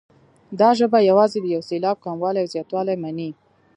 دا ژبه یوازې د یو سېلاب کموالی او زیاتوالی مني.